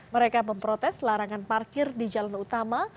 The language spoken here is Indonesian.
mereka memprotes larangan parkir di jalan utama